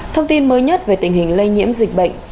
thông tin mới nhất về tình hình lây nhiễm dịch bệnh